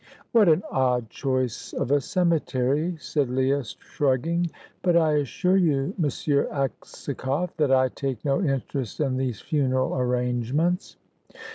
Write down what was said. "What an odd choice of a cemetery!" said Leah, shrugging; "but I assure you, M. Aksakoff, that I take no interest in these funeral arrangements."